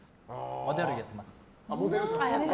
モデルをやっています。